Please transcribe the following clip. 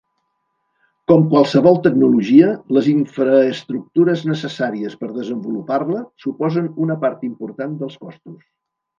Com qualsevol tecnologia, les infraestructures necessàries per desenvolupar-la suposen una part important dels costos.